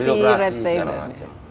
birokrasi segala macam